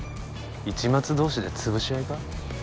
市松同士でつぶし合いか？